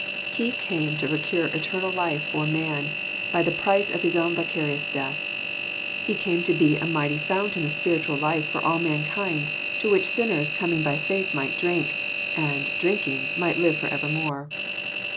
He came to procure eternal life for man, by the price of His own vicarious death. He came to be a mighty fountain of spiritual life for all mankind, to which sinners coming by faith might drink ; and, drinking, might live for evermore.